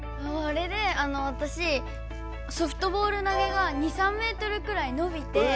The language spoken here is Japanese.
あれでわたしソフトボール投げが２３ｍくらいのびて。